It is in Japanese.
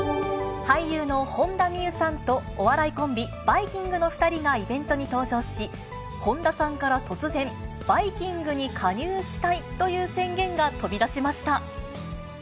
俳優の本田望結さんと、お笑いコンビ、バイきんぐの２人がイベントに登場し、本田さんから突然、バイきんぐに加入したいという宣言が飛び出しました。